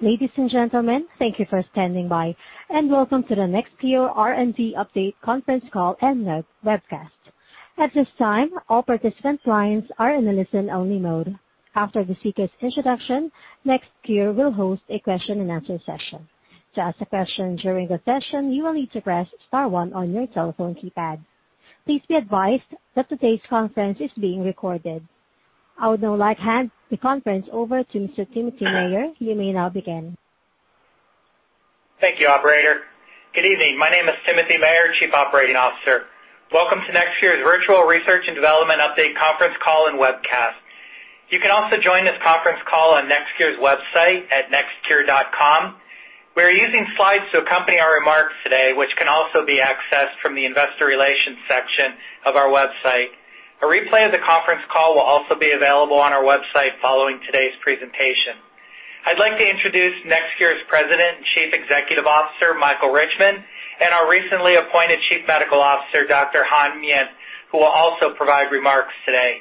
Ladies and gentlemen, thank you for standing by, and welcome to the NextCure R&D Update Conference call and Webcast. At this time, all participant lines are in a listen-only mode. After the speakers' introduction, NextCure will host a question and answer session. Please be advised that today's conference is being recorded. I would now like to hand the conference over to Mr. Timothy Mayer. You may now begin. Thank you, operator. Good evening. My name is Timothy Mayer, Chief Operating Officer. Welcome to NextCure's virtual research and development update conference call and webcast. You can also join this conference call on NextCure's website at nextcure.com. We are using slides to accompany our remarks today, which can also be accessed from the investor relations section of our website. A replay of the conference call will also be available on our website following today's presentation. I'd like to introduce NextCure's President and Chief Executive Officer, Michael Richman, and our recently appointed Chief Medical Officer, Dr. Han Myint, who will also provide remarks today.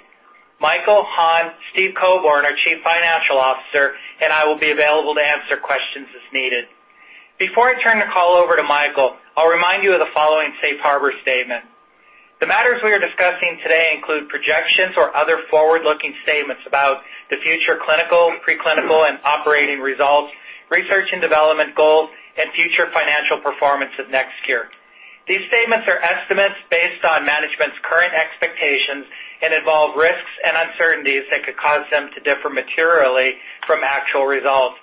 Michael, Han, Steven Cobourn, our Chief Financial Officer, and I will be available to answer questions as needed. Before I turn the call over to Michael, I'll remind you of the following safe harbor statement. The matters we are discussing today include projections or other forward-looking statements about the future clinical, pre-clinical, and operating results, research and development goals, and future financial performance of NextCure. These statements are estimates based on management's current expectations and involve risks and uncertainties that could cause them to differ materially from actual results.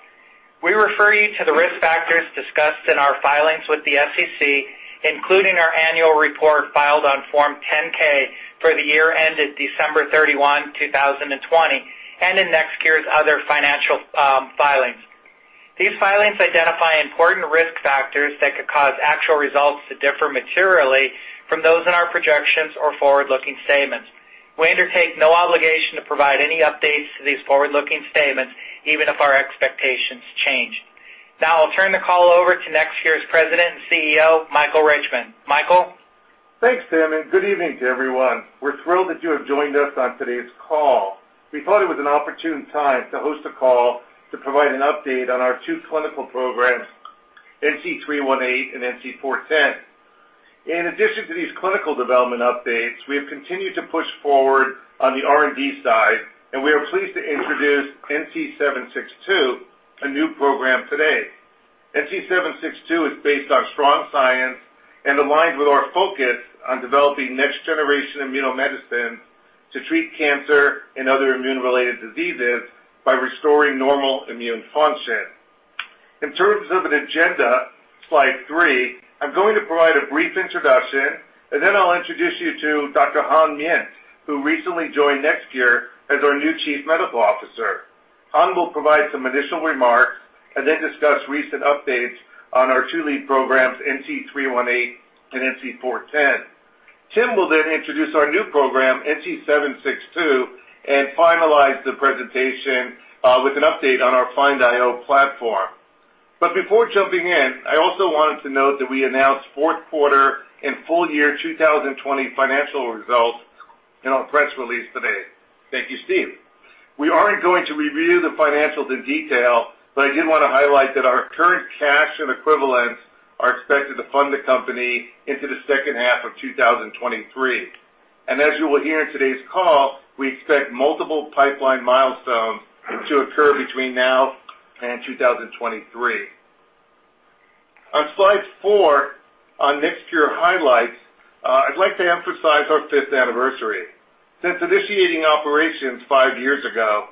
We refer you to the risk factors discussed in our filings with the SEC, including our annual report filed on Form 10-K for the year ended December 31, 2020, and in NextCure's other financial filings. These filings identify important risk factors that could cause actual results to differ materially from those in our projections or forward-looking statements. We undertake no obligation to provide any updates to these forward-looking statements, even if our expectations change. Now I'll turn the call over to NextCure's President and Chief Executive Officer, Michael Richman. Michael? Thanks, Tim, and good evening to everyone. We're thrilled that you have joined us on today's call. We thought it was an opportune time to host a call to provide an update on our two clinical programs, NC318 and NC410. In addition to these clinical development updates, we have continued to push forward on the R&D side, and we are pleased to introduce NC762, a new program today. NC762 is based on strong science and aligns with our focus on developing next-generation immunomedicine to treat cancer and other immune-related diseases by restoring normal immune function. In terms of an agenda, slide three, I'm going to provide a brief introduction, and then I'll introduce you to Dr. Han Myint, who recently joined NextCure as our new Chief Medical Officer. Han will provide some initial remarks and then discuss recent updates on our two lead programs, NC318 and NC410. Tim will introduce our new program, NC762, and finalize the presentation, with an update on our FIND-IO platform. Before jumping in, I also wanted to note that we announced fourth quarter and full year 2020 financial results in our press release today. Thank you, Steve. We aren't going to review the financials in detail, but I did want to highlight that our current cash and equivalents are expected to fund the company into the H2 of 2023. As you will hear in today's call, we expect multiple pipeline milestones to occur between now and 2023. On slide four on NextCure highlights, I'd like to emphasize our fifth anniversary. Since initiating operations five years ago,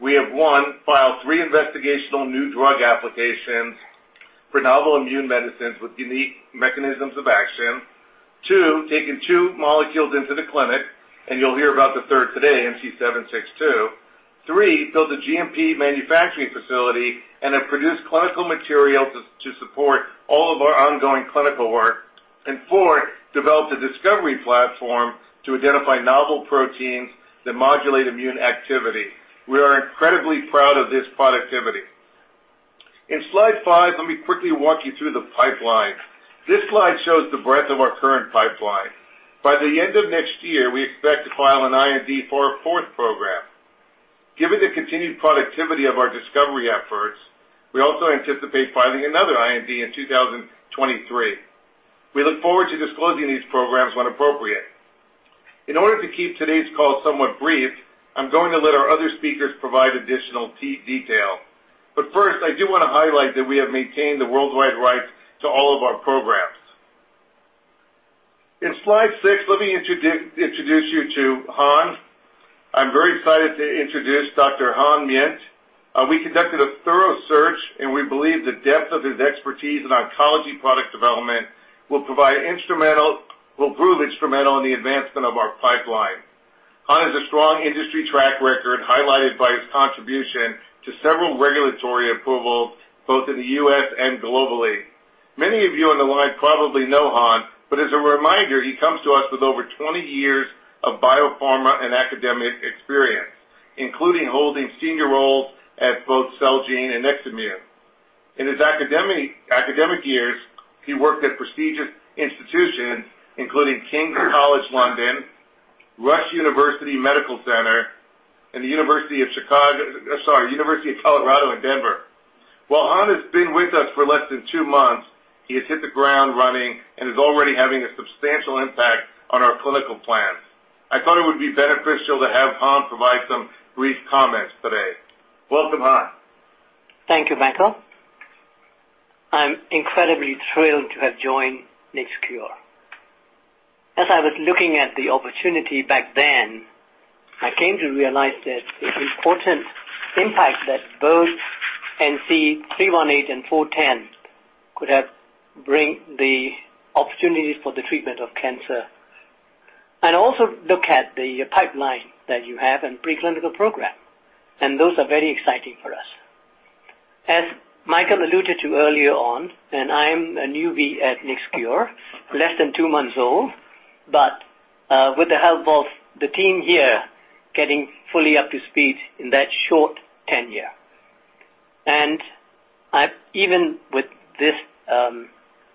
we have, one, filed three investigational new drug applications for novel immune medicines with unique mechanisms of action. Two, taken two molecules into the clinic, and you'll hear about the third today, NC762. Three, built a GMP manufacturing facility and have produced clinical material to support all of our ongoing clinical work. Four, developed a discovery platform to identify novel proteins that modulate immune activity. We are incredibly proud of this productivity. In slide five, let me quickly walk you through the pipeline. This slide shows the breadth of our current pipeline. By the end of next year, we expect to file an IND for a fourth program. Given the continued productivity of our discovery efforts, we also anticipate filing another IND in 2023. We look forward to disclosing these programs when appropriate. In order to keep today's call somewhat brief, I'm going to let our other speakers provide additional detail. First, I do want to highlight that we have maintained the worldwide rights to all of our programs. In slide six, let me introduce you to Han. I'm very excited to introduce Dr. Han Myint. We conducted a thorough search, and we believe the depth of his expertise in oncology product development will prove instrumental in the advancement of our pipeline. Han has a strong industry track record highlighted by his contribution to several regulatory approvals both in the U.S. and globally. Many of you on the line probably know Han, but as a reminder, he comes to us with over 20 years of biopharma and academic experience, including holding senior roles at both Celgene and Exelixis. In his academic years, he worked at prestigious institutions, including King's College London, Rush University Medical Center and the University of Colorado in Denver. While Han has been with us for less than two months, he has hit the ground running and is already having a substantial impact on our clinical plans. I thought it would be beneficial to have Han provide some brief comments today. Welcome, Han. Thank you, Michael. I'm incredibly thrilled to have joined NextCure. As I was looking at the opportunity back then, I came to realize that the important impact that both NC318 and NC410 could have bring the opportunities for the treatment of cancer. Also look at the pipeline that you have and preclinical program, and those are very exciting for us. As Michael alluded to earlier on, and I am a newbie at NextCure, less than two months old, but with the help of the team here, getting fully up to speed in that short tenure. Even with this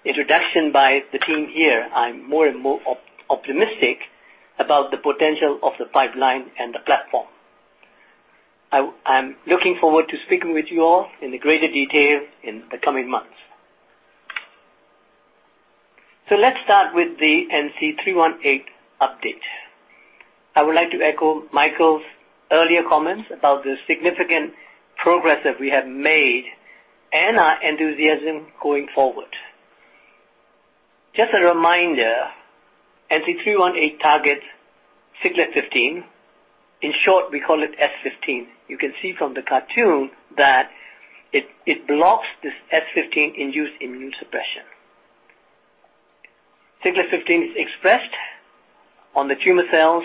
introduction by the team here, I'm more and more optimistic about the potential of the pipeline and the platform. I am looking forward to speaking with you all in greater detail in the coming months. Let's start with the NC318 update. I would like to echo Michael's earlier comments about the significant progress that we have made and our enthusiasm going forward. Just a reminder, NC318 targets Siglec-15. In short, we call it S15. You can see from the cartoon that it blocks this S15-induced immune suppression. Siglec-15 is expressed on the tumor cells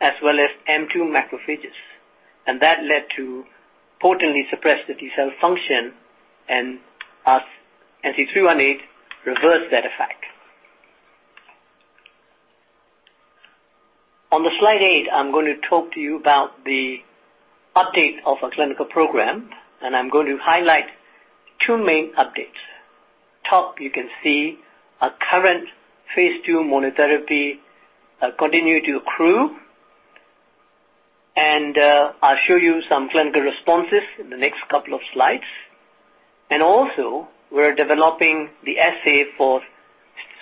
as well as M2 macrophages, and that led to potently suppressed T cell function, and as NC318 reversed that effect. On the slide eight, I'm going to talk to you about the update of our clinical program. I'm going to highlight two main updates. Top, you can see our current phase II monotherapy continue to accrue. I'll show you some clinical responses in the next couple of slides. Also, we're developing the assay for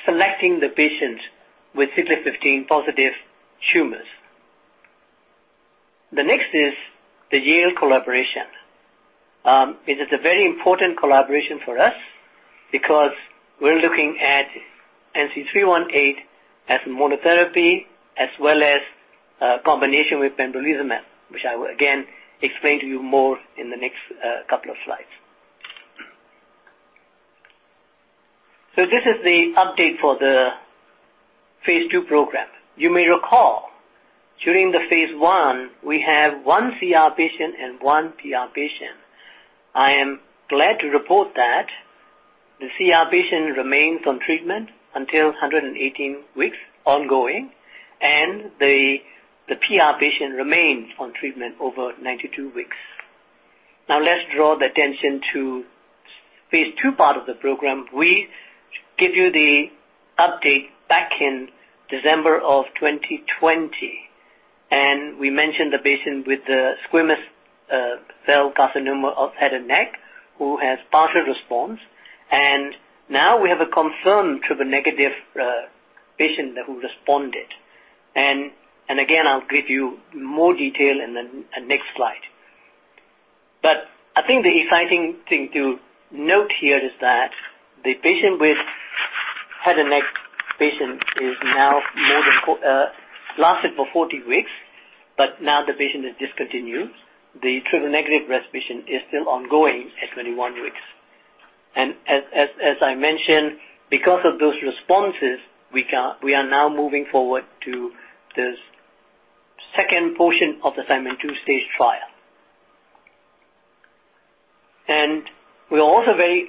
selecting the patients with Siglec-15-positive tumors. The next is the Yale collaboration. It is a very important collaboration for us because we're looking at NC318 as monotherapy as well as a combination with pembrolizumab, which I will again explain to you more in the next couple of slides. This is the update for the phase II program. You may recall, during the phase I, we have one CR patient and one PR patient. I am glad to report that the CR patient remains on treatment until 118 weeks ongoing, and the PR patient remains on treatment over 92 weeks. Let's draw the attention to phase II part of the program. We give you the update back in December of 2020, and we mentioned the patient with the squamous cell carcinoma of head and neck who has partial response. Now we have a confirmed triple-negative patient who responded. Again, I'll give you more detail in the next slide. I think the exciting thing to note here is that the patient with head and neck patient is now more than lasted for 40 weeks, but now the patient has discontinued. The triple-negative breast patient is still ongoing at 21 weeks. As I mentioned, because of those responses, we are now moving forward to this second portion of the Simon two-stage trial. We are also very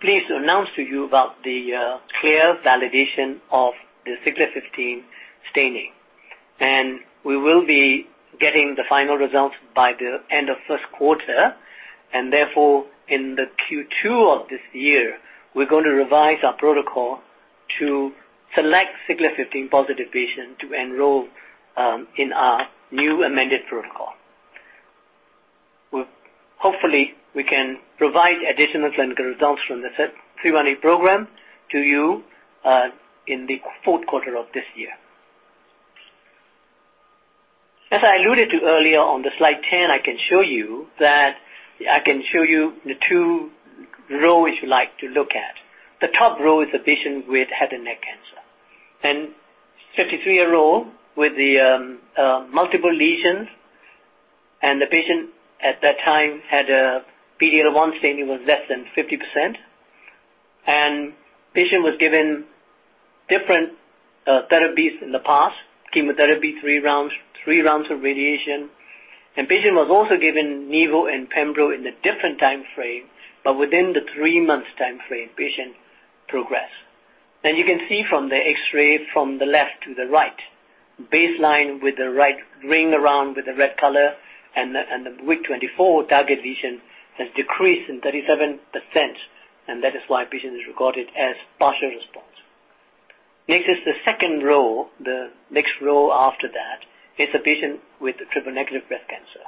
pleased to announce to you about the clear validation of the Siglec-15 staining. We will be getting the final results by the end of Q1. Therefore, in the Q2 of this year, we're going to revise our protocol to select Siglec-15-positive patients to enroll in our new amended protocol. Hopefully, we can provide additional clinical results from the NC318 program to you in the fourth quarter of this year. As I alluded to earlier on slide 10, I can show you the two rows you like to look at. The top row is a patient with head and neck cancer. A 53-year-old with multiple lesions, and the patient at that time had a PD-L1 staining was less than 50%, and patient was given different therapies in the past, chemotherapy, three rounds of radiation. Patient was also given nivolumab and pembrolizumab in a different time frame. But within the three-month time frame, patient progressed. You can see from the X-ray from the left to the right, baseline with the right ring around with the red color and the week 24 target lesion has decreased in 37%. That is why patient is recorded as partial response. Next is the second row. The next row after that is a patient with triple-negative breast cancer.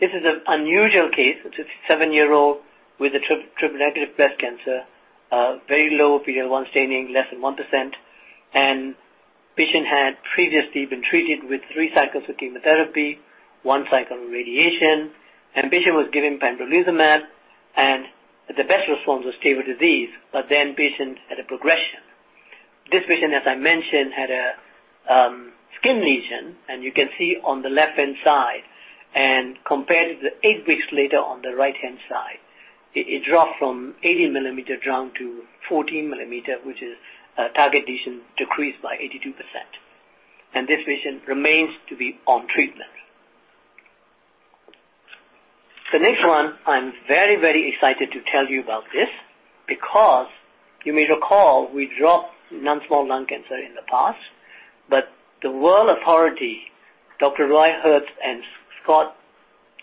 This is an unusual case. It's a seven-year-old with a triple-negative breast cancer. Very low PD-L1 staining, less than 1%. Patient had previously been treated with three cycles of chemotherapy, one cycle of radiation. Patient was given pembrolizumab. The best response was stable disease. Patient had a progression. This patient, as I mentioned, had a skin lesion. You can see on the left-hand side, compared to the eight weeks later on the right-hand side. It dropped from 80 millimeter down to 14 millimeter, which is target lesion decreased by 82%. This patient remains to be on treatment. The next one, I'm very excited to tell you about this because you may recall we dropped non-small cell lung cancer in the past. The world authority, Dr. Roy Herbst and Scott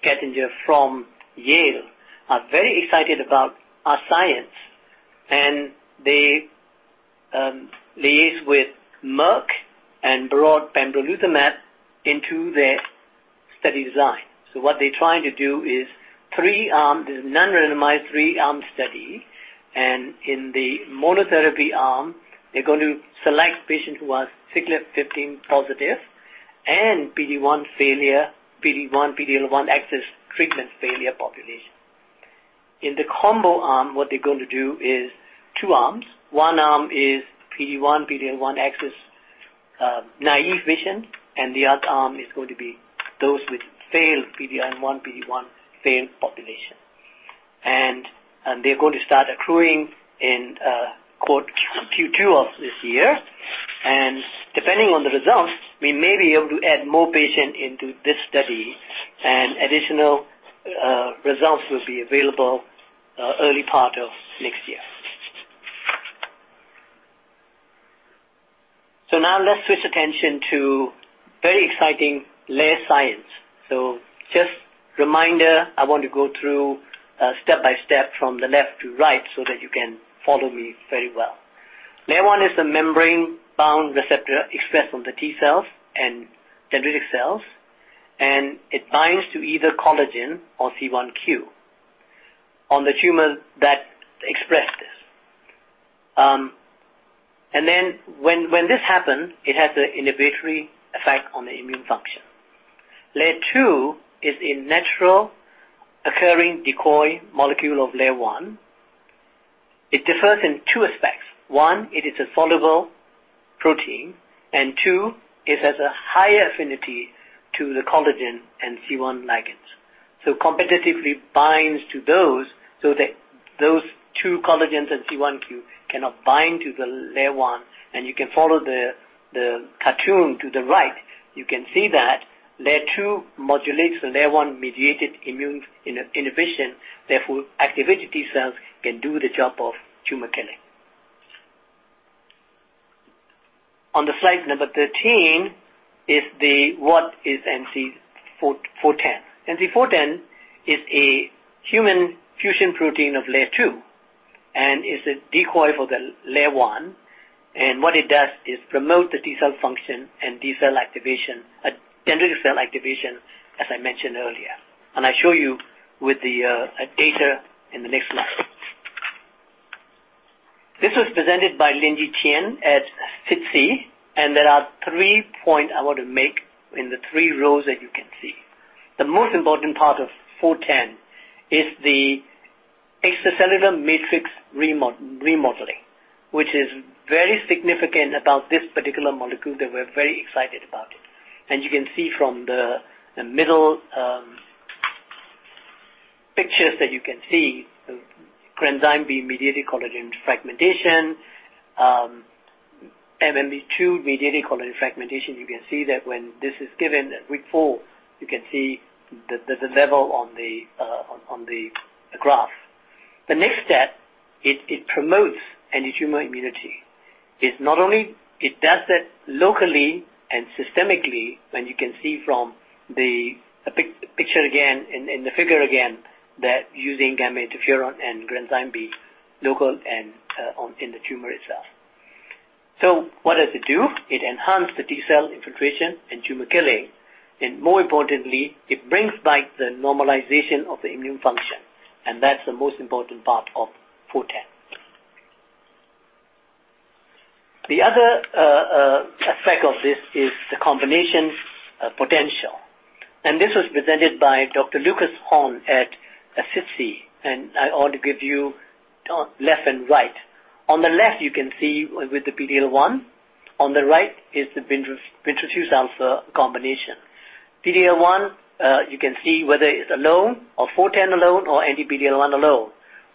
Gettinger from Yale, are very excited about our science, and they liaised with Merck and brought pembrolizumab into their study design. What they're trying to do is non-randomized, 3-armed study, and in the monotherapy arm, they're going to select patients who are Siglec-15 positive and PD-1 failure, PD-L1 axis treatment failure population. In the combo arm, what they're going to do is two arms. One arm is PD-1, PD-L1 axis naive patient, and the other arm is going to be those with failed PD-L1, PD-1 failed population. They're going to start accruing in Q2 of this year. Depending on the results, we may be able to add more patient into this study, and additional results will be available early part of next year. Now let's switch attention to very exciting LAIR science. Just reminder, I want to go through step by step from the left to right so that you can follow me very well. LAIR1 is a membrane-bound receptor expressed on the T cells and dendritic cells, and it binds to either collagen or C1q on the tumor that expressed this. When this happens, it has an inhibitory effect on the immune function. LAIR2 is a natural occurring decoy molecule of LAIR1. It differs in two aspects. One, it is a soluble protein, and two, it has a higher affinity to the collagen and C1 ligands. Competitively binds to those so that those two collagens and C1q cannot bind to the LAIR1. You can follow the cartoon to the right. You can see that LAIR2 modulates the LAIR1-mediated immune inhibition, therefore activated T cells can do the job of tumor killing. On the slide number 13 is the what is NC410. NC410 is a human fusion protein of LAIR2 and is a decoy for the LAIR1. What it does is promote the T cell function and T cell activation, a dendritic cell activation, as I mentioned earlier. I show you with the data in the next slide. This was presented by Linji Qian at SITC, there are three point I want to make in the three rows that you can see. The most important part of 410 is the extracellular matrix remodeling, which is very significant about this particular molecule that we're very excited about it. You can see from the middle pictures that you can see the granzyme B-mediated collagen fragmentation, MMP-2-mediated collagen fragmentation. You can see that when this is given at week four, you can see the level on the graph. The next step, it promotes antitumor immunity. It does it locally and systemically, and you can see from the picture again and the figure again that using interferon and granzyme B local and in the tumor itself. What does it do? It enhance the T cell infiltration and tumor killing. More importantly, it brings back the normalization of the immune function. That's the most important part of 410. The other effect of this is the combination potential. This was presented by Dr. Lucas Horn at SITC, and I want to give you left and right. On the left, you can see with the PD-L1. On the right is the bevacizumab combination. PD-L1, you can see whether it's alone or 410 alone or anti-PD-L1 alone.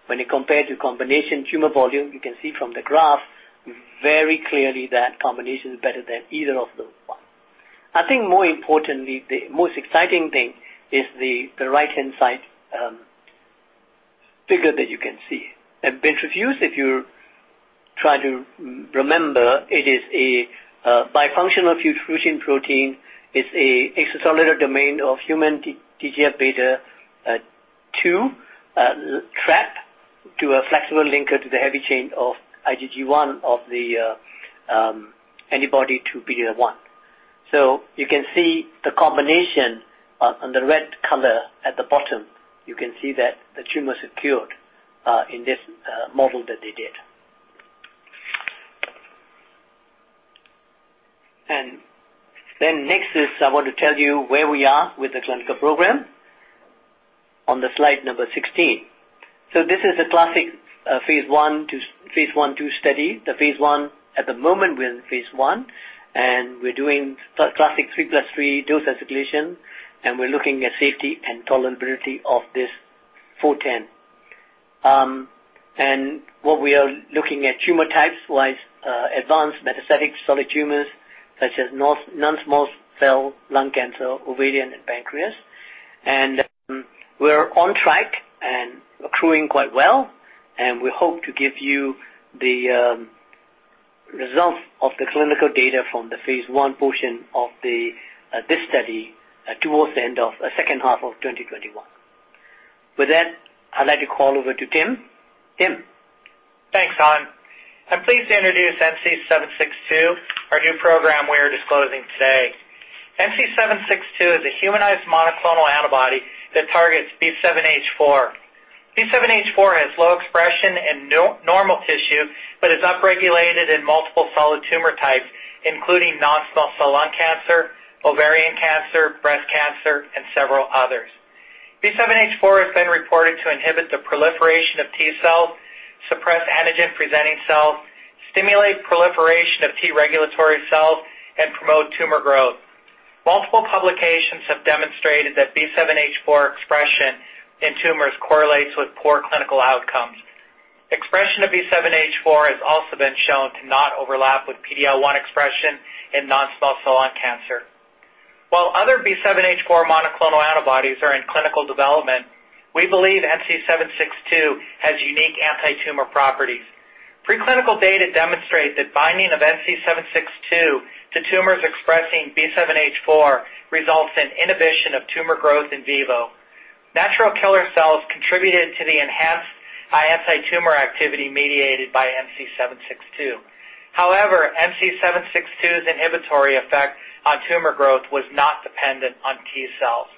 You compare the combination tumor volume, you can see from the graph very clearly that combination is better than either of those one. I think more importantly, the most exciting thing is the right-hand side figure that you can see. Bevacizumab, try to remember it is a bifunctional fusion protein. It's a extracellular domain of human TGF beta 2 trapped to a flexible linker to the heavy chain of IgG1 of the antibody to PD-L1. You can see the combination on the red color at the bottom. You can see that the tumor is cured in this model that they did. Next is I want to tell you where we are with the clinical program on the slide number 16. This is a classic phase I/II study. At the moment, we're in phase I, and we're doing classic 3 plus three dose escalation, and we're looking at safety and tolerability of this NC410. What we are looking at tumor types was advanced metastatic solid tumors such as non-small cell lung cancer, ovarian, and pancreas. We're on track and accruing quite well. We hope to give you the results of the clinical data from the phase I portion of this study towards the end of the H2 of 2021. With that, I'd like to call over to Tim. Tim? Thanks, Han. I'm pleased to introduce NC762, our new program we are disclosing today. NC762 is a humanized monoclonal antibody that targets B7H4. B7H4 has low expression in normal tissue but is upregulated in multiple solid tumor types, including non-small cell lung cancer, ovarian cancer, breast cancer, and several others. B7H4 has been reported to inhibit the proliferation of T cells, suppress antigen-presenting cells, stimulate proliferation of T regulatory cells, and promote tumor growth. Multiple publications have demonstrated that B7H4 expression in tumors correlates with poor clinical outcomes. Expression of B7H4 has also been shown to not overlap with PD-L1 expression in non-small cell lung cancer. While other B7H4 monoclonal antibodies are in clinical development, we believe NC762 has unique anti-tumor properties. Preclinical data demonstrate that binding of NC762 to tumors expressing B7H4 results in inhibition of tumor growth in vivo. Natural killer cells contributed to the enhanced high anti-tumor activity mediated by NC762. NC762's inhibitory effect on tumor growth was not dependent on T cells.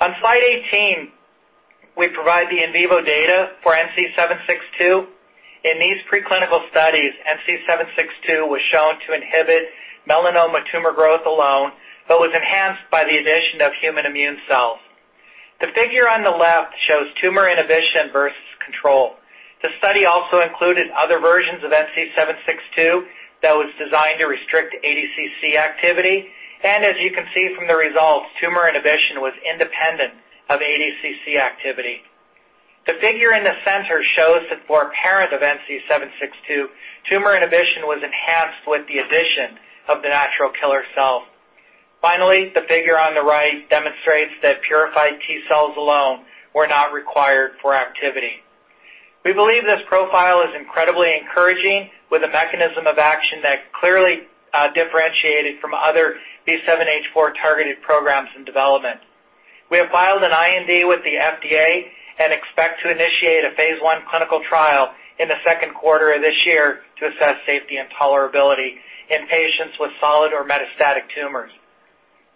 On slide 18, we provide the in vivo data for NC762. In these preclinical studies, NC762 was shown to inhibit melanoma tumor growth alone but was enhanced by the addition of human immune cells. The figure on the left shows tumor inhibition versus control. The study also included other versions of NC762 that was designed to restrict ADCC activity, and as you can see from the results, tumor inhibition was independent of ADCC activity. The figure in the center shows that for a parent of NC762, tumor inhibition was enhanced with the addition of the natural killer cell. The figure on the right demonstrates that purified T cells alone were not required for activity. We believe this profile is incredibly encouraging with a mechanism of action that clearly differentiated from other B7H4 targeted programs in development. We have filed an IND with the FDA and expect to initiate a phase I clinical trial in the Q2 of this year to assess safety and tolerability in patients with solid or metastatic tumors.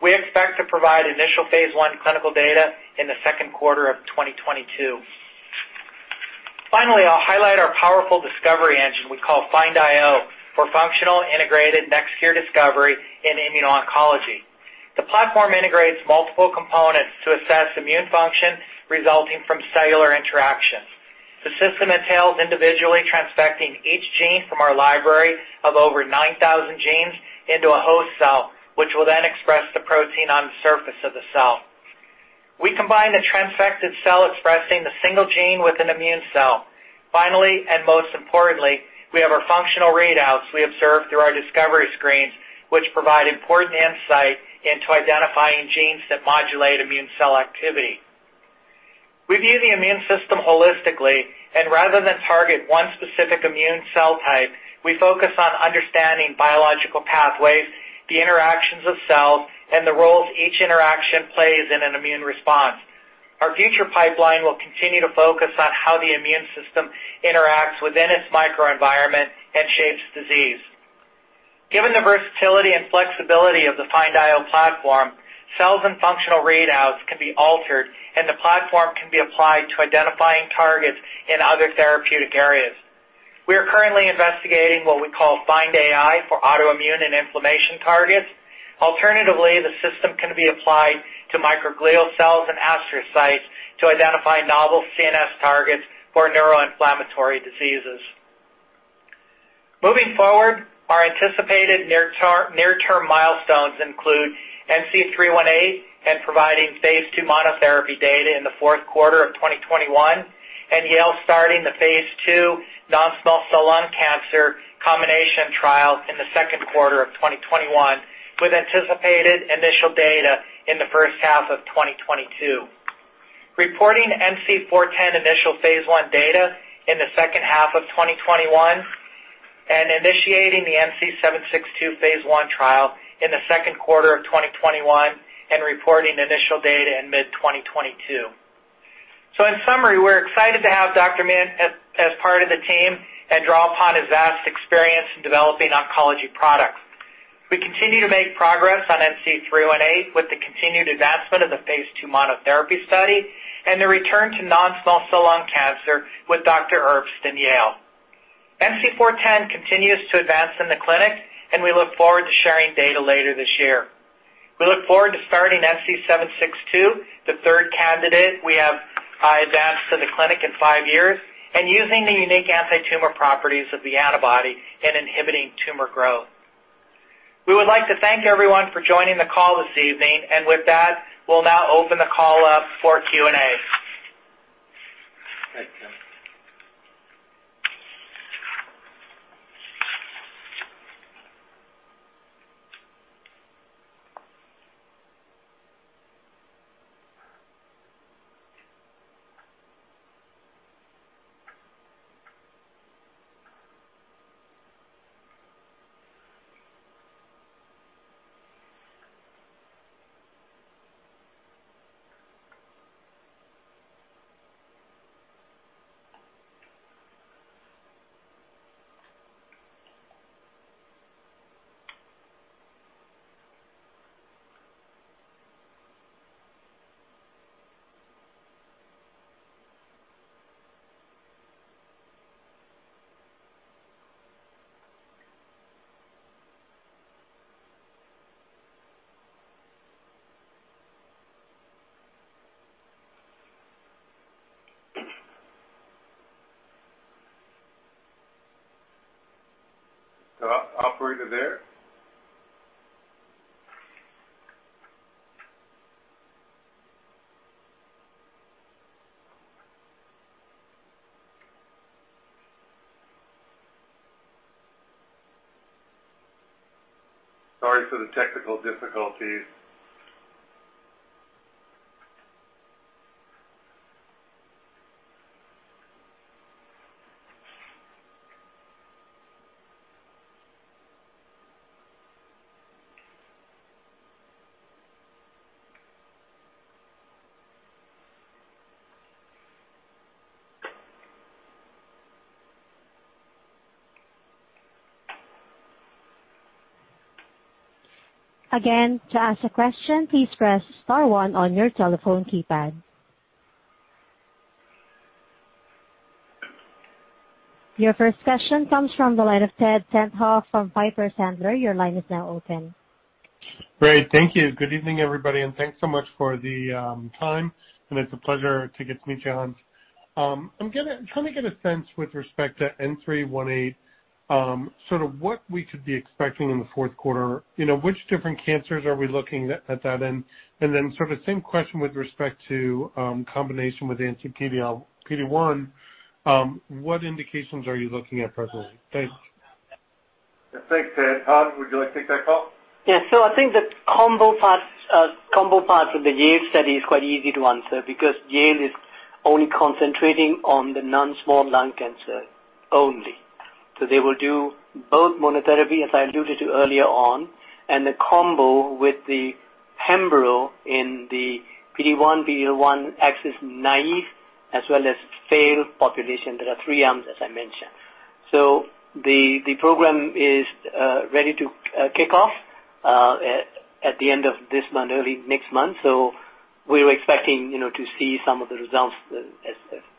We expect to provide initial phase I clinical data in the Q2 of 2022. Finally, I'll highlight our powerful discovery engine we call FIND-IO for functional integrated NextCure discovery in immuno-oncology. The platform integrates multiple components to assess immune function resulting from cellular interactions. The system entails individually transfecting each gene from our library of over 9,000 genes into a host cell, which will then express the protein on the surface of the cell. We combine the transfected cell expressing the single gene with an immune cell. Finally, and most importantly, we have our functional readouts we observe through our discovery screens, which provide important insight into identifying genes that modulate immune cell activity. We view the immune system holistically, and rather than target one specific immune cell type, we focus on understanding biological pathways, the interactions of cells, and the roles each interaction plays in an immune response. Our future pipeline will continue to focus on how the immune system interacts within its microenvironment and shapes disease. Given the versatility and flexibility of the FIND-IO platform, cells and functional readouts can be altered, and the platform can be applied to identifying targets in other therapeutic areas. We are currently investigating what we call FIND-AI for autoimmune and inflammation targets. Alternatively, the system can be applied to microglial cells and astrocytes to identify novel CNS targets for neuroinflammatory diseases. Moving forward, our anticipated near-term milestones include NC318 and providing phase II monotherapy data in the fourth quarter of 2021, and Yale starting the phase II non-small cell lung cancer combination trial in the Q2 of 2021, with anticipated initial data in the H1 of 2022. Reporting NC410 initial phase I data in the H2 of 2021 and initiating the NC762 phase I trial in the Q2 of 2021 and reporting initial data in mid-2022. In summary, we're excited to have Dr. Myint as part of the team and draw upon his vast experience in developing oncology products. We continue to make progress on NC318 with the continued advancement of the phase II monotherapy study and the return to non-small cell lung cancer with Dr. Herbst in Yale. NC410 continues to advance in the clinic, and we look forward to sharing data later this year. We look forward to starting NC762, the third candidate we have advanced to the clinic in five years, and using the unique anti-tumor properties of the antibody in inhibiting tumor growth. We would like to thank everyone for joining the call this evening. With that, we'll now open the call up for Q&A. Thanks, Tim. Is the operator there? Sorry for the technical difficulties. Again, to ask a question, please press star one on your telephone keypad. Your first question comes from the line of Edward Tenthoff from Piper Sandler. Your line is now open. Great. Thank you. Good evening, everybody, and thanks so much for the time. It's a pleasure to get to meet you, Han. I'm trying to get a sense with respect to NC318, what we could be expecting in the fourth quarter. Which different cancers are we looking at that end? Then sort of same question with respect to combination with anti-PD-1. What indications are you looking at presently? Thanks. Yeah, thanks, Ed. Han, would you like to take that call? I think the combo parts of the Yale study is quite easy to answer because Yale is only concentrating on the non-small cell lung cancer only. They will do both monotherapy, as I alluded to earlier on, and the combo with the pembro in the PD-1, PD-L1 axis naive as well as failed population. There are three arms, as I mentioned. The program is ready to kick off at the end of this month, early next month. We're expecting to see some of the results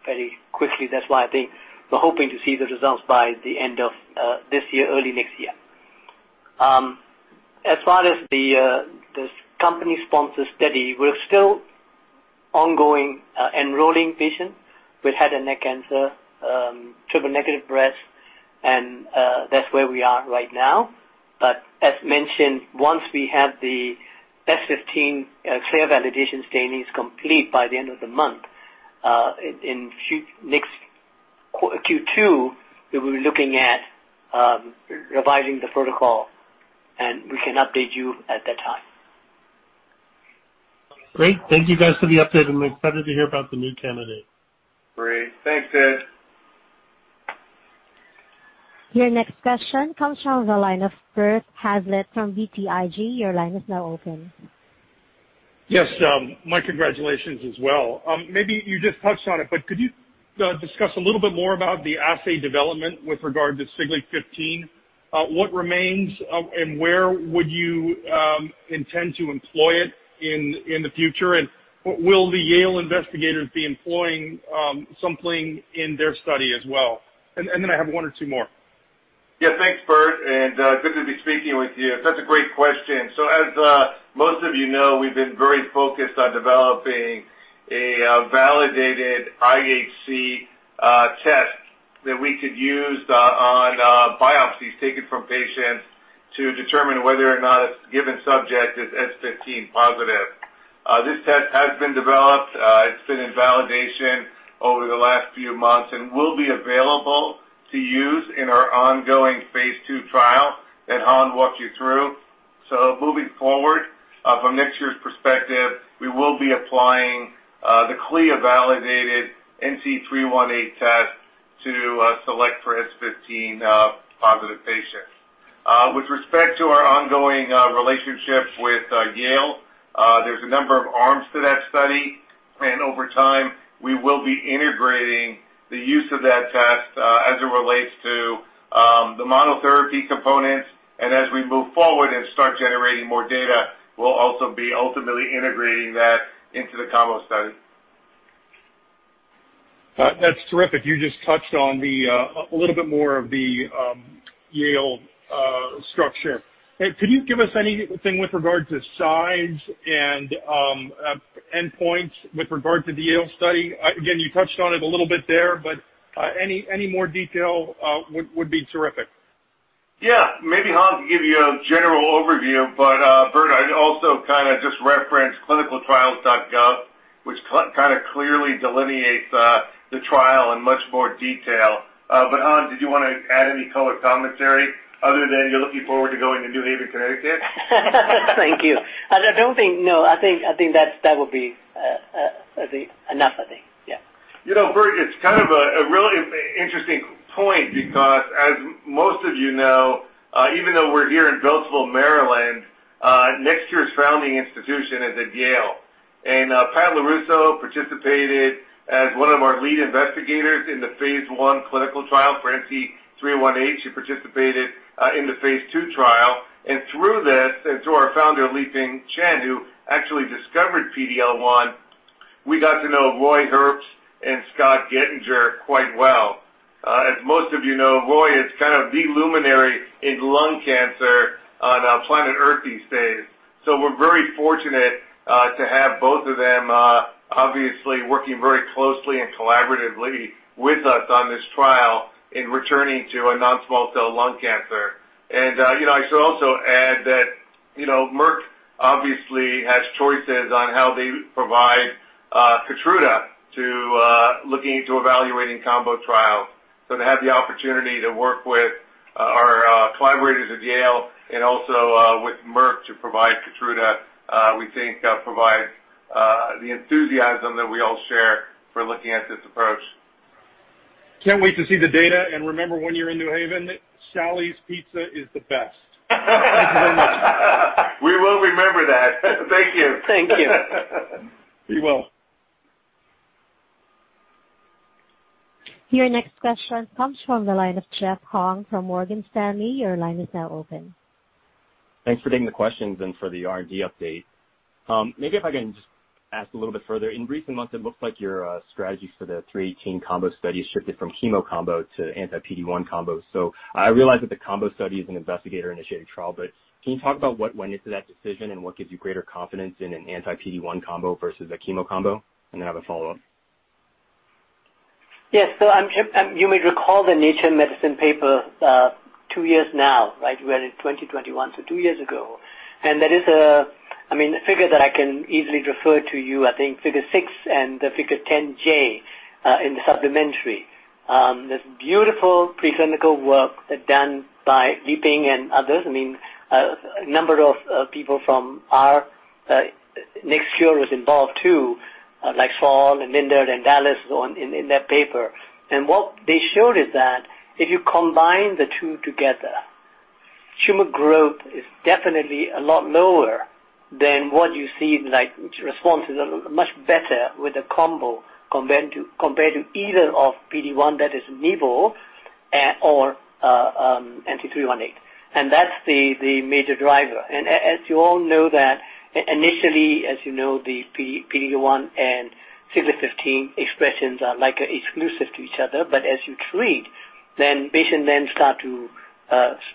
very quickly. That's why, I think, we're hoping to see the results by the end of this year, early next year. As far as the company-sponsored study, we're still ongoing, enrolling patients with head and neck cancer, triple-negative breast, and that's where we are right now. As mentioned, once we have the S15 clear validation stainings complete by the end of the month, in next Q2, we'll be looking at revising the protocol, and we can update you at that time. Great. Thank you guys for the update, and I'm excited to hear about the new candidate. Great. Thanks, Ed. Your next question comes from the line of Robert Hazlett from BTIG. Your line is now open. Yes. My congratulations as well. Could you discuss a little bit more about the assay development with regard to Siglec-15? What remains, where would you intend to employ it in the future? Will the Yale investigators be employing something in their study as well? I have one or two more. Yeah. Thanks, Bert, and good to be speaking with you. That's a great question. As most of you know, we've been very focused on developing a validated IHC test that we could use on biopsies taken from patients to determine whether or not a given subject is S15 positive. This test has been developed. It's been in validation over the last few months and will be available to use in our ongoing phase II trial that Han walked you through. Moving forward, from NextCure's perspective, we will be applying the CLIA-validated NC318 test to select for S15-positive patients. With respect to our ongoing relationship with Yale, there's a number of arms to that study. Over time, we will be integrating the use of that test as it relates to the monotherapy components. As we move forward and start generating more data, we'll also be ultimately integrating that into the combo study. That's terrific. You just touched on a little bit more of the Yale structure. Hey, could you give us anything with regard to size and endpoints with regard to the Yale study? Again, you touched on it a little bit there, but any more detail would be terrific. Yeah. Maybe Han can give you a general overview, Bert, I'd also kind of just reference clinicaltrials.gov, which kind of clearly delineates the trial in much more detail. Han, did you want to add any color commentary other than you're looking forward to going to New Haven, Connecticut? Thank you. I don't think, no. I think that would be enough, I think. Yeah. Bert, it's kind of a really interesting point because as most of you know, even though we're here in Beltsville, Maryland, NextCure's founding institution is at Yale. Pat LoRusso participated as one of our lead investigators in the phase I clinical trial for NC318. She participated in the phase II trial, through this, and through our founder, Lieping Chen, who actually discovered PD-L1, we got to know Roy Herbst and Scott Gettinger quite well. As most of you know, Roy is kind of the luminary in lung cancer on planet Earth these days. We're very fortunate to have both of them obviously working very closely and collaboratively with us on this trial in returning to a non-small cell lung cancer. I should also add that Merck obviously has choices on how they provide KEYTRUDA to looking into evaluating combo trials. To have the opportunity to work with our collaborators at Yale and also with Merck to provide KEYTRUDA, we think provides the enthusiasm that we all share for looking at this approach. Can't wait to see the data. Remember, when you're in New Haven, Sally's Apizza is the best. Thank you very much. We will remember that. Thank you. Thank you. We will. Your next question comes from the line of Jeff Hung from Morgan Stanley. Thanks for taking the questions and for the R&D update. Maybe if I can just ask a little bit further. In recent months, it looks like your strategies for the 318 combo study shifted from chemo combo to anti-PD-1 combo. I realize that the combo study is an investigator-initiated trial, but can you talk about what went into that decision and what gives you greater confidence in an anti-PD-1 combo versus a chemo combo? Then I have a follow-up. Yes. You may recall the "Nature Medicine" paper two years now, right? We're in 2021, so two years ago. There is a figure that I can easily refer to you, I think Figure six and Figure 10J in the supplementary. This beautiful preclinical work done by Lieping and others, a number of people from our NextCure was involved too, like Saal and Lindell and Dallas in that paper. What they showed is that if you combine the two together, tumor growth is definitely a lot lower than what you see, like response is much better with a combo compared to either of PD-1 that is nivolumab or NC318. As you all know that initially, as you know, the PD-L1 and Siglec-15 expressions are like exclusive to each other, but as you treat, then patient then start to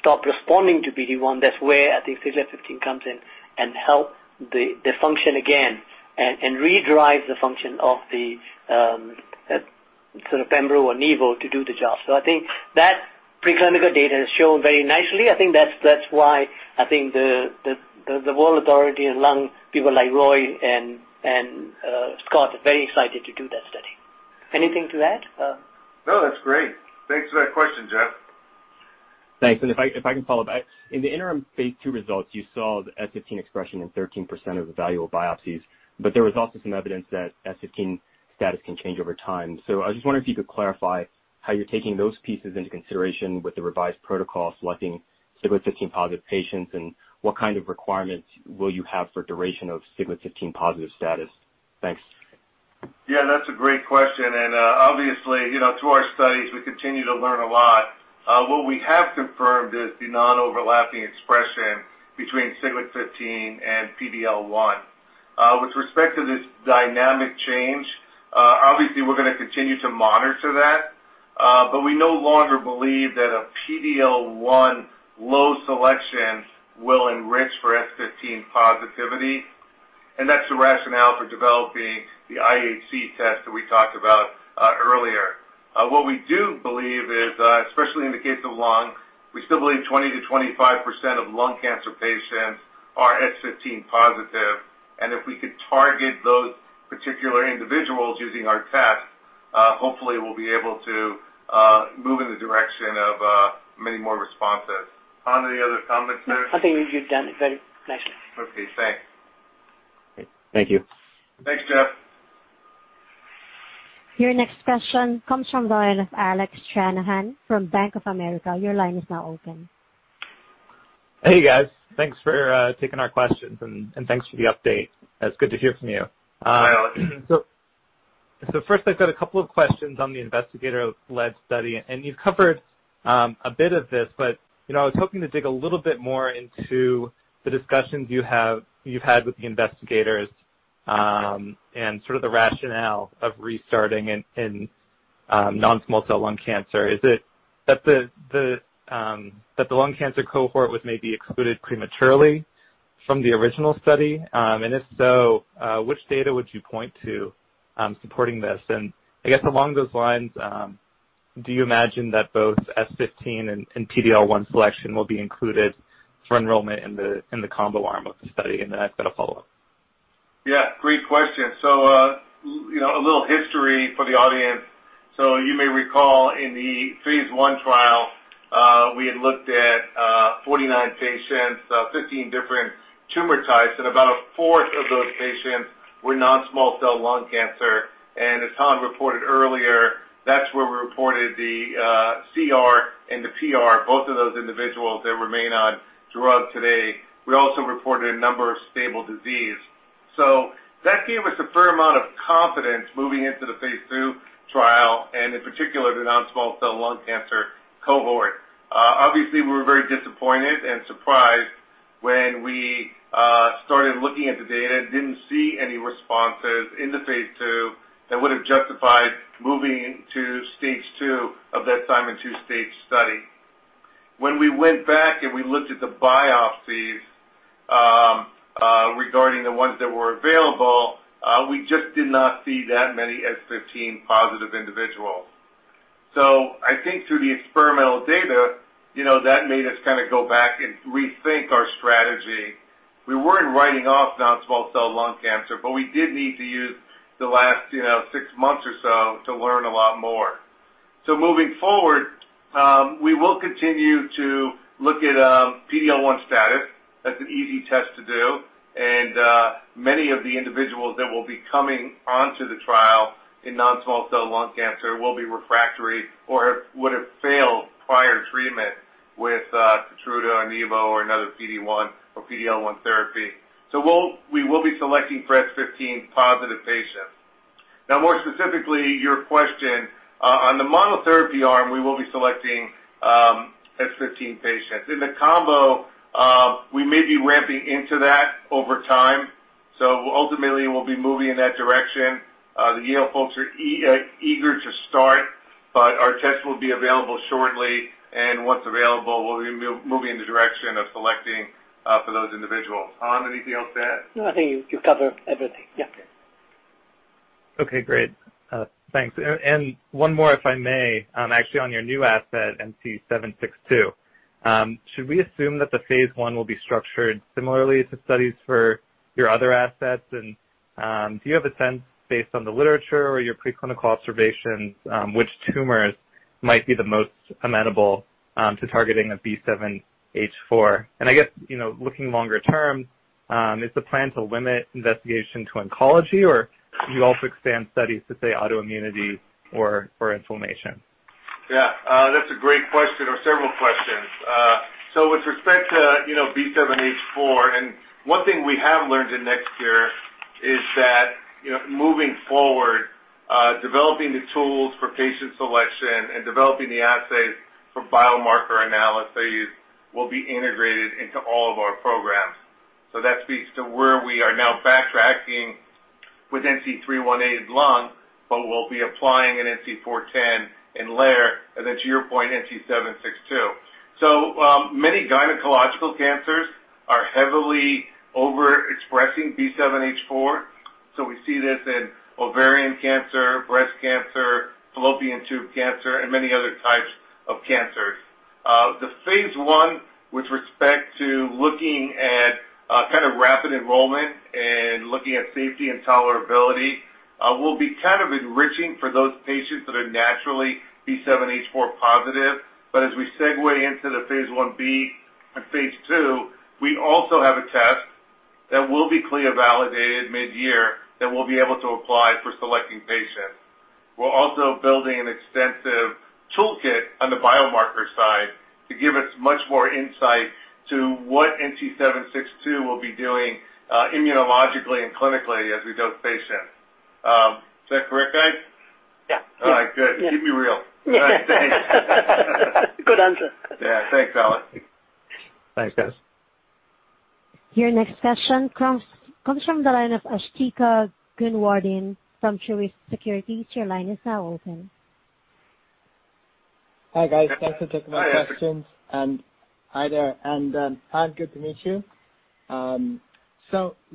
stop responding to PD-1. That's where I think Siglec-15 comes in and help the function again and re-derives the function of the sort of pembro or nivolumab to do the job. I think that preclinical data is shown very nicely. I think that's why I think the world authority in lung, people like Roy and Scott are very excited to do that study. Anything to add? No, that's great. Thanks for that question, Jeff. Thanks. If I can follow back. In the interim phase II results, you saw the S15 expression in 13% of the valuable biopsies, but there was also some evidence that S15 status can change over time. I was just wondering if you could clarify how you're taking those pieces into consideration with the revised protocol selecting Siglec-15 positive patients, and what kind of requirements will you have for duration of Siglec-15 positive status. Thanks. Yeah, that's a great question. Obviously, through our studies, we continue to learn a lot. What we have confirmed is the non-overlapping expression between Siglec-15 and PD-L1. With respect to this dynamic change, obviously we're gonna continue to monitor that, but we no longer believe that a PD-L1 low selection will enrich for S15 positivity, and that's the rationale for developing the IHC test that we talked about earlier. What we do believe is, especially in the case of lung, we still believe 20%-25% of lung cancer patients are S15 positive, and if we could target those particular individuals using our test-Hopefully, we'll be able to move in the direction of many more responses. Han, any other comments there? No, I think you've done it very nicely. Okay, thanks. Great. Thank you. Thanks, Jeff. Your next question comes from the line of Alec Stranahan from Bank of America. Your line is now open. Hey, guys. Thanks for taking our questions, and thanks for the update. It's good to hear from you. Hi, Alec. First, I've got a couple of questions on the investigator-led study, and you've covered a bit of this, but I was hoping to dig a little bit more into the discussions you've had with the investigators, and sort of the rationale of restarting in non-small cell lung cancer. Is it that the lung cancer cohort was maybe excluded prematurely from the original study? If so, which data would you point to supporting this? I guess along those lines, do you imagine that both S15 and PD-L1 selection will be included for enrollment in the combo arm of the study? Then I've got a follow-up. Yeah, great question. A little history for the audience. You may recall in the phase I trial, we had looked at 49 patients, 15 different tumor types, and about a fourth of those patients were non-small cell lung cancer. As Han reported earlier, that's where we reported the CR and the PR, both of those individuals that remain on drug today. We also reported a number of stable disease. That gave us a fair amount of confidence moving into the phase II trial, and in particular, the non-small cell lung cancer cohort. Obviously, we were very disappointed and surprised when we started looking at the data and didn't see any responses in the phase II that would've justified moving to stage two of that Simon two-stage study. When we went back and we looked at the biopsies regarding the ones that were available, we just did not see that many S15 positive individuals. I think through the experimental data, that made us go back and rethink our strategy. We weren't writing off non-small cell lung cancer, but we did need to use the last six months or so to learn a lot more. Moving forward, we will continue to look at PD-L1 status. That's an easy test to do, and many of the individuals that will be coming onto the trial in non-small cell lung cancer will be refractory or would've failed prior treatment with KEYTRUDA or IMFINZI or another PD-1 or PD-L1 therapy. We will be selecting for S15 positive patients. Now, more specifically your question, on the monotherapy arm, we will be selecting S15 patients. In the combo, we may be ramping into that over time. Ultimately, we'll be moving in that direction. The Yale folks are eager to start, but our tests will be available shortly, and once available, we'll be moving in the direction of selecting for those individuals. Han, anything else to add? No, I think you covered everything. Yeah. Okay, great. Thanks. One more, if I may, actually on your new asset, NC762. Should we assume that the phase I will be structured similarly to studies for your other assets? Do you have a sense, based on the literature or your pre-clinical observations, which tumors might be the most amenable to targeting of B7H4? I guess, looking longer term, is the plan to limit investigation to oncology, or do you also expand studies to, say, autoimmunity or inflammation? Yeah. That's a great question or several questions. With respect to B7H4, and one thing we have learned in NextCure is that moving forward, developing the tools for patient selection and developing the assays for biomarker analyses will be integrated into all of our programs. That speaks to where we are now backtracking with NC318 lung, but we'll be applying in NC410 in LAIR, and then to your point, NC762. Many gynecological cancers are heavily overexpressing B7H4, so we see this in ovarian cancer, breast cancer, fallopian tube cancer, and many other types of cancers. The phase I, with respect to looking at rapid enrollment and looking at safety and tolerability, will be enriching for those patients that are naturally B7H4 positive. As we segue into the phase I-B and phase II, we also have a test that will be CLIA validated mid-year that we'll be able to apply for selecting patients. We're also building an extensive toolkit on the biomarker side to give us much more insight to what NC762 will be doing immunologically and clinically as we dose patients. Is that correct, guys? Yeah. All right, good. Keep me real. Good answer. Yeah. Thanks, Alec. Thanks, guys. Your next question comes from the line of Asthika Goonewardene from Truist Securities. Your line is now open. Hi, guys. Thanks for taking my questions. Hi. Hi there, and Han, good to meet you.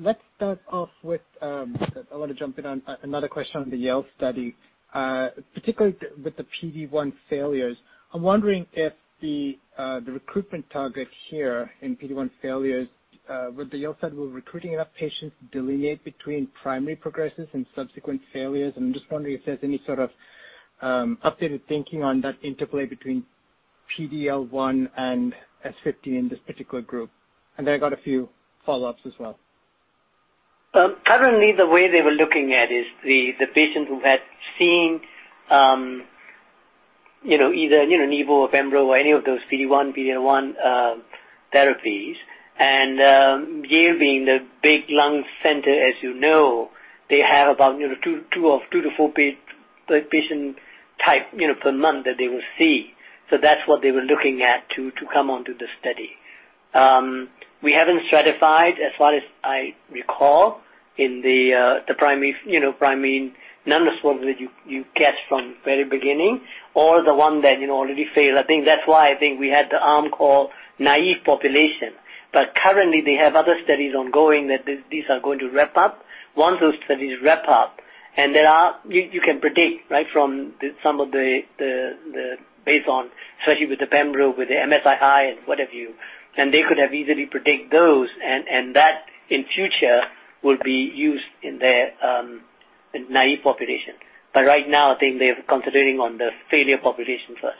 Let's start off with, I want to jump in on another question on the Yale study. Particularly with the PD-1 failures, I'm wondering if the recruitment target here in PD-1 failures with the Yale side, we're recruiting enough patients to delineate between primary progresses and subsequent failures, and I'm just wondering if there's any sort of updated thinking on that interplay between PD-L1 and S15 in this particular group? Then I got a few follow-ups as well. Currently, the way they were looking at is the patient who had seen either Nivo or Pembro or any of those PD-1, PD-L1 therapies, and Yale being the big lung center as you know, they have about two to four patient type per month that they will see. That's what they were looking at to come onto the study. We haven't stratified, as far as I recall, in the primary numbers from what you catch from very beginning or the one that already failed. I think that's why we had the arm called naive population. Currently they have other studies ongoing that these are going to wrap up. Once those studies wrap up and you can predict right from some of the base on, especially with the Pembro, with the MSI-H and what have you, and they could have easily predict those and that in future will be used in their naive population. Right now, I think they're considering on the failure population first.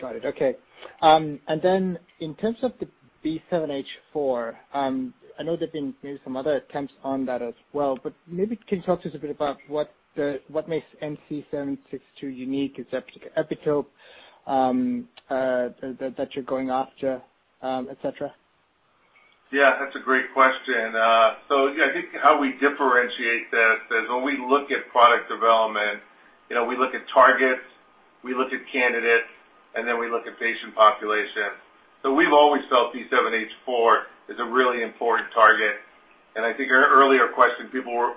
Got it. Okay. In terms of the B7H4, I know there have been maybe some other attempts on that as well, but maybe can you talk to us a bit about what makes NC762 unique, its epitope that you're going after, et cetera. Yeah, that's a great question. Yeah, I think how we differentiate this is when we look at product development, we look at targets, we look at candidates, and then we look at patient population. We've always felt B7H4 is a really important target, and I think our earlier question,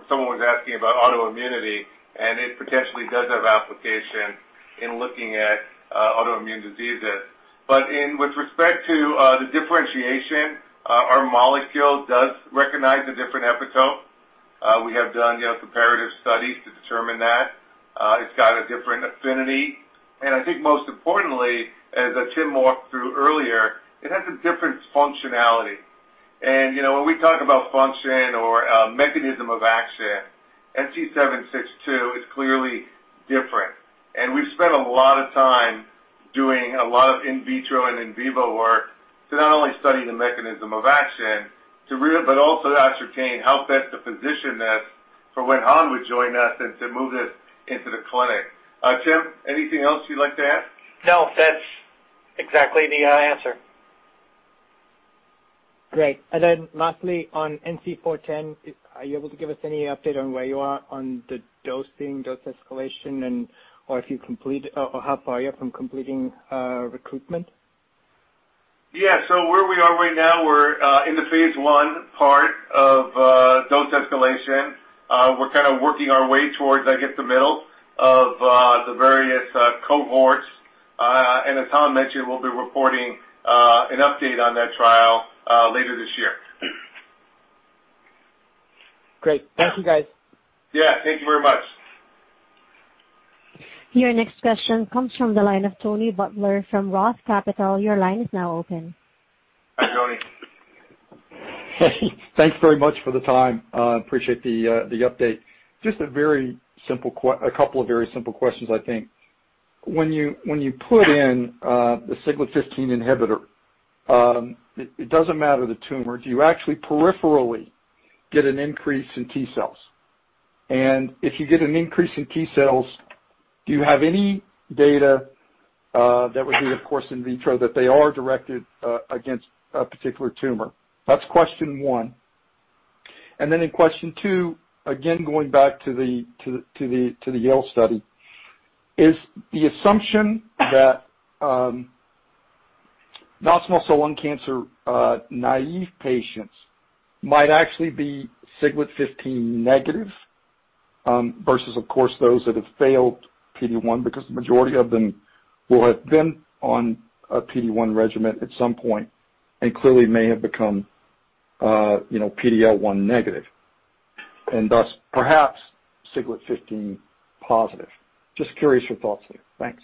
someone was asking about autoimmunity, and it potentially does have application in looking at autoimmune diseases. With respect to the differentiation, our molecule does recognize a different epitope. We have done comparative studies to determine that. It's got a different affinity, and I think most importantly, as Tim walked through earlier, it has a different functionality. When we talk about function or mechanism of action, NC762 is clearly different. We've spent a lot of time doing a lot of in vitro and in vivo work to not only study the mechanism of action, but also to ascertain how best to position this for when Han would join us and to move this into the clinic. Tim, anything else you'd like to add? No, that's exactly the answer. Great. Lastly, on NC410, are you able to give us any update on where you are on the dosing, dose escalation, and or how far you are from completing recruitment? Where we are right now, we're in the phase I part of dose escalation. We're kind of working our way towards, I guess, the middle of the various cohorts. As Han mentioned, we'll be reporting an update on that trial later this year. Great. Thank you, guys. Yeah. Thank you very much. Your next question comes from the line of Tony Butler from Roth Capital. Your line is now open. Hi, Tony. Hey, thanks very much for the time. Appreciate the update. Just a couple of very simple questions, I think. When you put in the Siglec-15 inhibitor, it doesn't matter the tumor, do you actually peripherally get an increase in T cells? If you get an increase in T cells, do you have any data that would be, of course, in vitro that they are directed against a particular tumor? That's question one. Then in question two, again, going back to the Yale study. Is the assumption that non-small cell lung cancer naive patients might actually be Siglec-15 negative, versus, of course, those that have failed PD-1 because the majority of them will have been on a PD-1 regimen at some point and clearly may have become PD-L1 negative, and thus perhaps Siglec-15 positive? Just curious your thoughts there. Thanks.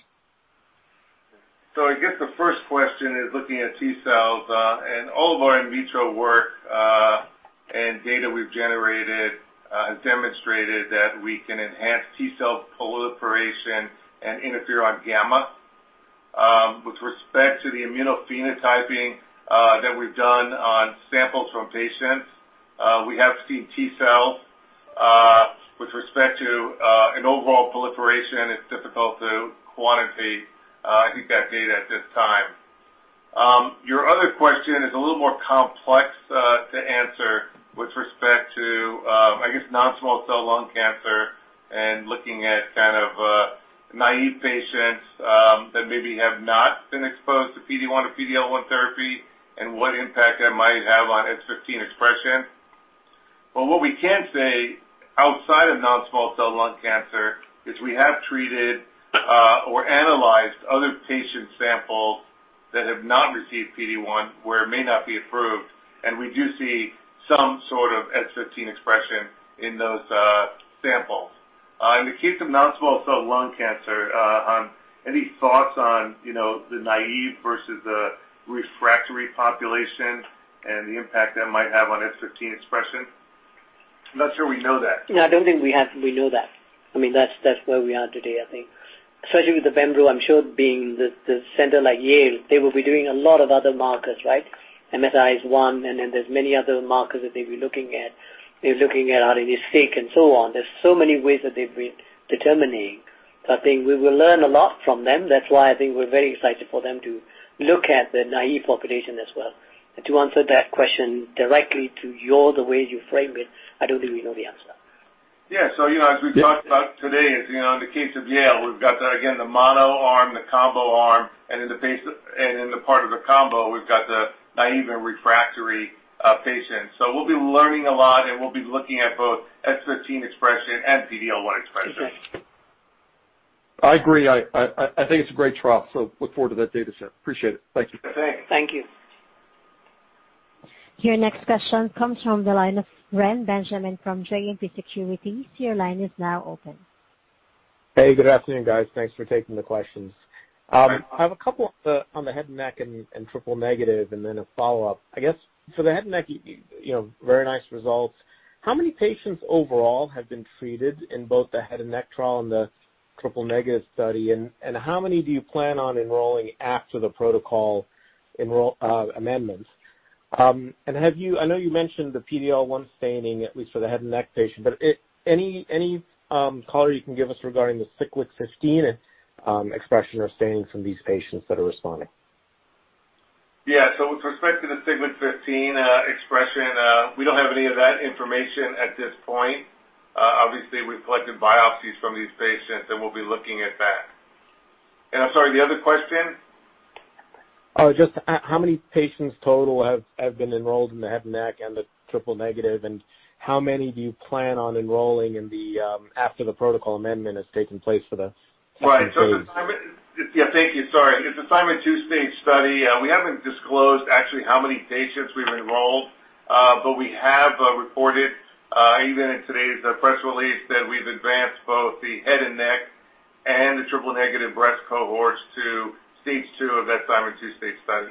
I guess the first question is looking at T cells, and all of our in vitro work, and data we've generated, has demonstrated that we can enhance T cell proliferation and interferon gamma. With respect to the immunophenotyping that we've done on samples from patients, we have seen T cells. With respect to an overall proliferation, it's difficult to quantify that data at this time. Your other question is a little more complex to answer with respect to, I guess, non-small cell lung cancer and looking at kind of naive patients that maybe have not been exposed to PD-1 or PD-L1 therapy and what impact that might have on S15 expression. What we can say outside of non-small cell lung cancer is we have treated or analyzed other patient samples that have not received PD-1, where it may not be approved, and we do see some sort of S15 expression in those samples. In the case of non-small cell lung cancer, any thoughts on the naive versus the refractory population and the impact that might have on S15 expression? I'm not sure we know that. No, I don't think we know that. That's where we are today, I think. Especially with the pembro, I'm sure being the center like Yale, they will be doing a lot of other markers, right? MSI is one, and then there's many other markers that they've been looking at. They're looking at RNA-Seq and so on. There's so many ways that they've been determining. I think we will learn a lot from them. That's why I think we're very excited for them to look at the naive population as well. To answer that question directly to you all the way you framed it, I don't think we know the answer. Yeah. As we talked about today, in the case of Yale, we've got, again, the mono arm, the combo arm, and in the part of the combo, we've got the naive and refractory patients. We'll be learning a lot, and we'll be looking at both S15 expression and PD-L1 expression. Okay. I agree. I think it's a great trial, so look forward to that data set. Appreciate it. Thank you. Thanks. Thank you. Your next question comes from the line of Reni Benjamin from JMP Securities. Your line is now open. Hey, good afternoon, guys. Thanks for taking the questions. Hi. I have a couple on the head and neck and triple-negative and then a follow-up. I guess for the head and neck, very nice results. How many patients overall have been treated in both the head and neck trial and the triple-negative study, and how many do you plan on enrolling after the protocol amendments? I know you mentioned the PD-L1 staining, at least for the head and neck patient, but any color you can give us regarding the Siglec-15 expression or staining from these patients that are responding? Yeah. With respect to the Siglec-15 expression, we don't have any of that information at this point. Obviously, we've collected biopsies from these patients, and we'll be looking at that. I'm sorry, the other question? Just how many patients total have been enrolled in the head and neck and the triple-negative, and how many do you plan on enrolling after the protocol amendment has taken place for the two studies? Right. Yeah, thank you. Sorry. It's a Simon 2-stage study. We haven't disclosed actually how many patients we've enrolled, but we have reported, even in today's press release, that we've advanced both the head and neck and the triple-negative breast cohorts to stage two of that Simon 2-stage study.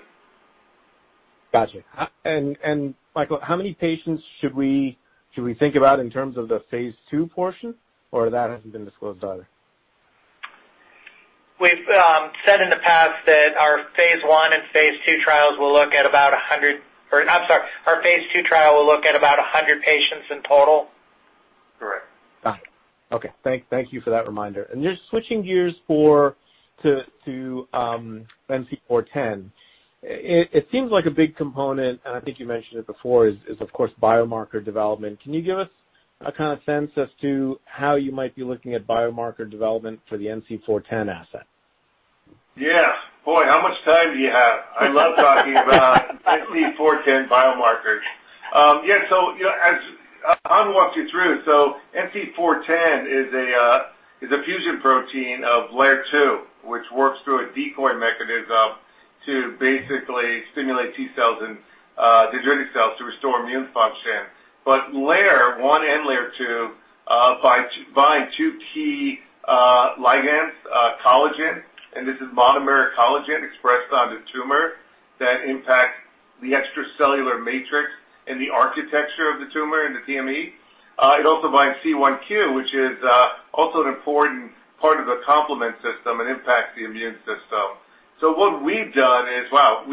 Got you. Michael, how many patients should we think about in terms of the phase II portion, or that hasn't been disclosed either? We've said in the past that our phase II trial will look at about 100 patients in total. Correct. Got it. Okay. Thank you for that reminder. Just switching gears to NC410. It seems like a big component, and I think you mentioned it before, is, of course, biomarker development. Can you give us a kind of sense as to how you might be looking at biomarker development for the NC410 asset? Yeah. Boy, how much time do you have? I love talking about NC410 biomarkers. Yeah. As Han walked you through, NC410 is a fusion protein of LAIR-2, which works through a decoy mechanism to basically stimulate T-cells and dendritic cells to restore immune function. LAIR-1 and LAIR-2 bind two key ligands, collagen, and this is monomeric collagen expressed on the tumor that impacts the extracellular matrix and the architecture of the tumor and the TME. It also binds C1q, which is also an important part of the complement system and impacts the immune system. What we've done is, our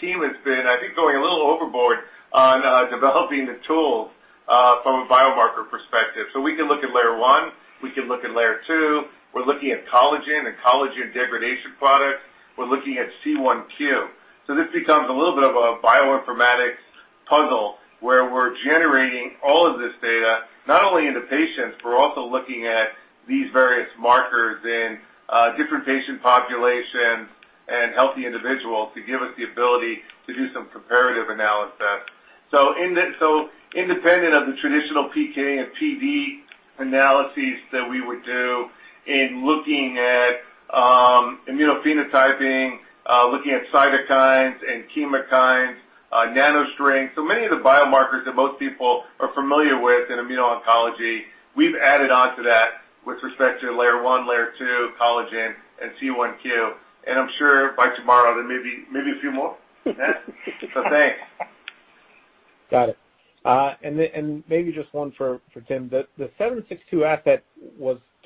team has been, I think, going a little overboard on developing the tool from a biomarker perspective. We can look at LAIR-1, we can look at LAIR-2, we're looking at collagen and collagen degradation products. We're looking at C1q. This becomes a little bit of a bioinformatics puzzle, where we're generating all of this data, not only in the patients, we're also looking at these various markers in different patient populations and healthy individuals to give us the ability to do some comparative analysis. Independent of the traditional PK and PD analyses that we would do in looking at immunophenotyping, looking at cytokines and chemokines, NanoString. Many of the biomarkers that most people are familiar with in immuno-oncology, we've added onto that with respect to LAIR-1, LAIR-2, collagen, and C1q, and I'm sure by tomorrow, there may be a few more. Thanks. Got it. Maybe just one for Tim. The 762 asset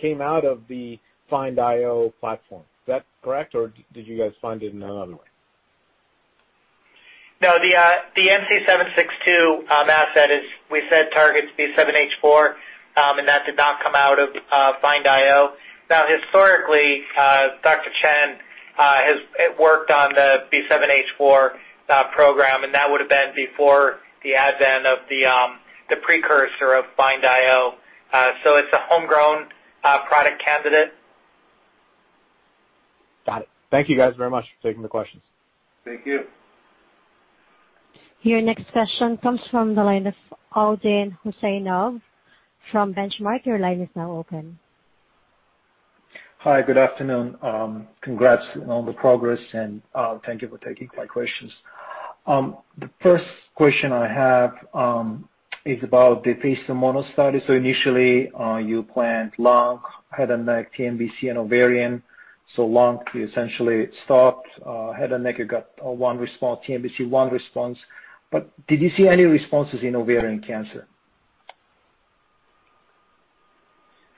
came out of the FIND-IO platform. Is that correct, or did you guys find it in another way? No, the NC762 asset, as we said, targets B7H4, and that did not come out of FIND-IO. Now, historically, Dr. Chen has worked on the B7H4 program, and that would've been before the advent of the precursor of FIND-IO. It's a homegrown product candidate. Got it. Thank you guys very much for taking the questions. Thank you. Your next question comes from the line of Aydin Huseynov from Benchmark. Your line is now open. Hi. Good afternoon. Congrats on the progress, and thank you for taking my questions. The first question I have is about the phase mono study. Initially, you planned lung, head and neck, TNBC, and ovarian. Lung, you essentially stopped. Head and neck, you got one response, TNBC, one response. Did you see any responses in ovarian cancer?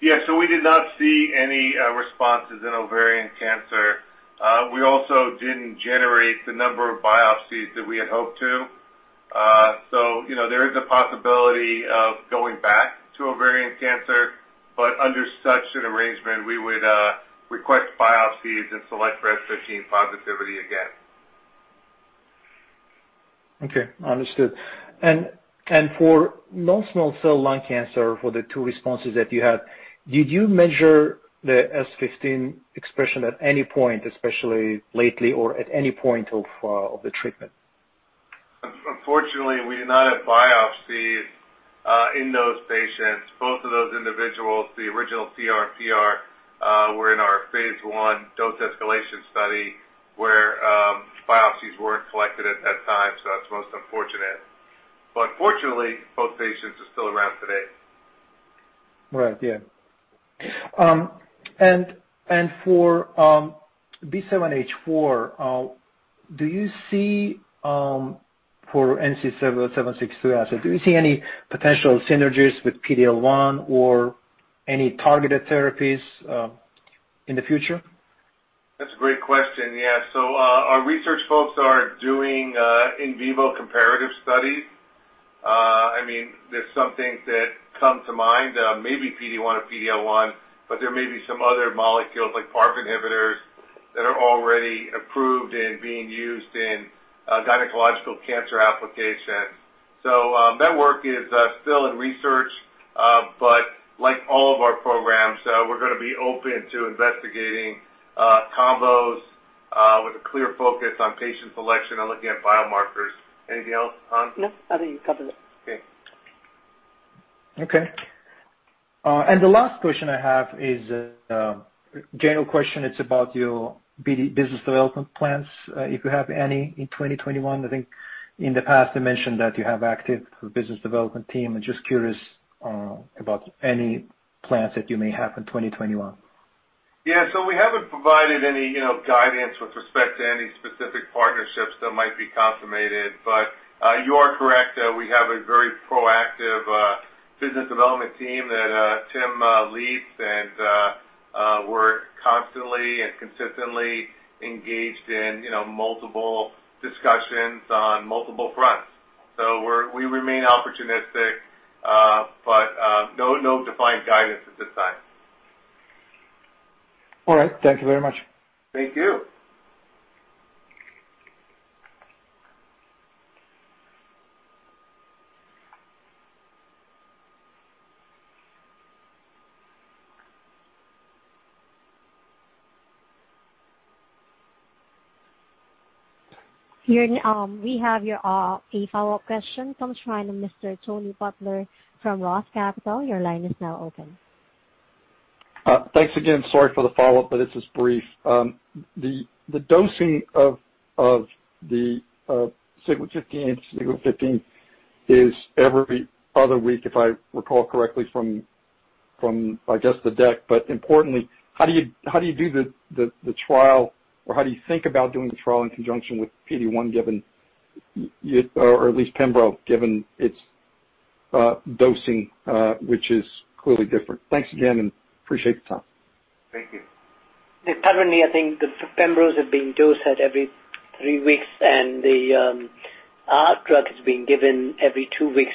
Yeah. We did not see any responses in ovarian cancer. We also didn't generate the number of biopsies that we had hoped to. There is a possibility of going back to ovarian cancer, but under such an arrangement, we would request biopsies and select for S15 positivity again. Okay. Understood. For non-small cell lung cancer, for the two responses that you had, did you measure the S15 expression at any point, especially lately or at any point of the treatment? Unfortunately, we did not have biopsies in those patients. Both of those individuals, the original CRPR, were in our phase I dose escalation study where biopsies weren't collected at that time. That's most unfortunate. Fortunately, both patients are still around today. Right. Yeah. For B7H4, for NC762, do you see any potential synergies with PD-L1 or any targeted therapies in the future? That's a great question. Our research folks are doing in vivo comparative studies. There's some things that come to mind, maybe PD-1 or PD-L1, but there may be some other molecules like PARP inhibitors that are already approved and being used in gynecological cancer applications. That work is still in research. Like all of our programs, we're going to be open to investigating combos with a clear focus on patient selection and looking at biomarkers. Anything else, Han? No, I think you covered it. Okay. Okay. The last question I have is a general question. It's about your business development plans, if you have any in 2021. I think in the past you mentioned that you have active business development team. I'm just curious about any plans that you may have in 2021. Yeah. We haven't provided any guidance with respect to any specific partnerships that might be consummated. You are correct, we have a very proactive business development team that Tim leads, and we're constantly and consistently engaged in multiple discussions on multiple fronts. We remain opportunistic, but no defined guidance at this time. All right. Thank you very much. Thank you. We have a follow-up question from the line of Mr. Tony Butler from Roth Capital. Your line is now open. Thanks again. Sorry for the follow-up, but it's just brief. The dosing of the Siglec-15 is every other week, if I recall correctly from, I guess, the deck. Importantly, how do you do the trial, or how do you think about doing the trial in conjunction with PD-1, or at least pembro, given its dosing which is clearly different? Thanks again, and appreciate the time. Thank you. Currently, I think the Pembros have been dosed at every three weeks, and our drug is being given every two weeks.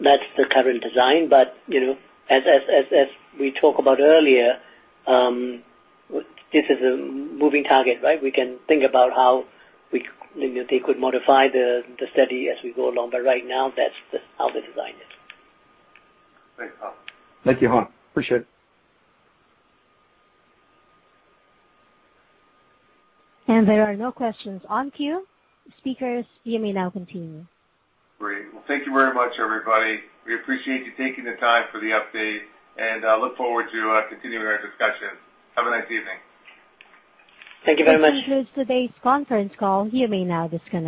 That's the current design. As we talked about earlier, this is a moving target, right? We can think about how they could modify the study as we go along. Right now, that's just how they designed it. Thanks, Han. Thank you, Han. Appreciate it. There are no questions in queue. Speakers, you may now continue. Great. Well, thank you very much, everybody. We appreciate you taking the time for the update and look forward to continuing our discussions. Have a nice evening. Thank you very much. This concludes today's conference call. You may now disconnect.